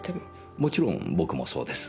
もちろん僕もそうです。